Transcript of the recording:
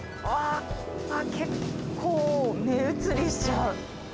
結構目移りしちゃう。